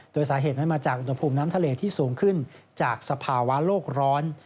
โดยสาเหตุนั้นมาจากอุณหภูมิน้ำทะเลที่สูงขึ้นจากสภาวะโลกร้อน